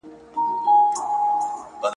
فکري بډاينه پر مادي پرمختګ نېغ په نېغه اغېز لري.